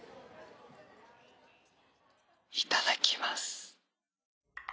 いただきます。